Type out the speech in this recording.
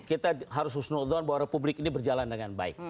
kita harus husnudon bahwa republik ini berjalan dengan baik